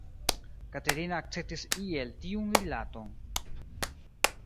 Katerina akceptis iel tiun rilaton.